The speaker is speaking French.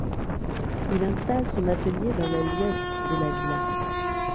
Il installe son atelier dans l'aile ouest de la villa.